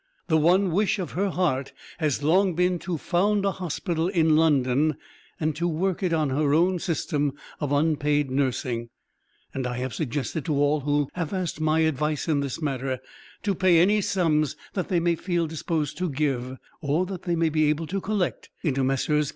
The one wish of her heart has long been to found a hospital in London and to work it on her own system of unpaid nursing, and I have suggested to all who have asked my advice in this matter to pay any sums that they may feel disposed to give, or that they may be able to collect, into Messrs.